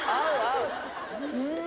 うん！